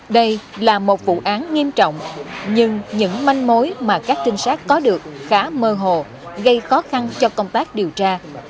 đây là một vụ án nghiêm trọng nhưng những manh mối mà các trinh sát có được khá mơ hồ gây khó khăn cho công tác điều tra